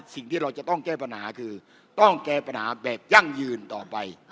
สิ่งที่เราจะต้องแก้ปัญหาคือต้องแก้ปัญหาแบบยั่งยืนต่อไป